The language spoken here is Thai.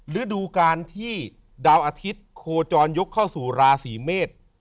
ฤดูการที่ดาวอาทิตย์โคจรยกเข้าสู่ราศีเมษ